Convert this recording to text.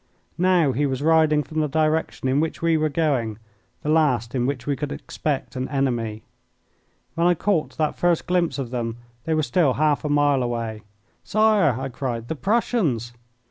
Now he was riding from the direction in which we were going the last in which we could expect an enemy. When I caught that first glimpse of them they were still half a mile away. "Sire!" I cried, "the Prussians!"